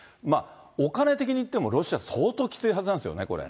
お金的にいってもロシア、相当きついはずなんですよね、これ。